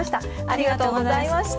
ありがとうございます。